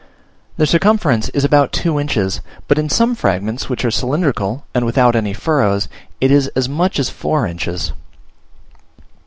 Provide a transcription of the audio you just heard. Their circumference is about two inches, but in some fragments, which are cylindrical and without any furrows, it is as much as four inches.